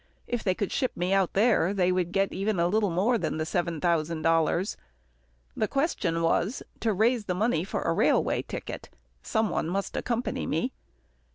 If they could ship me out there, they would get even a little more than the seven thousand dollars. The question was, to raise the money for a railway ticket. Some one must accompany me.